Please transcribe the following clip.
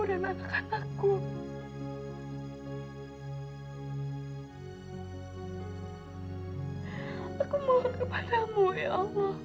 aku mohon kepadamu ya allah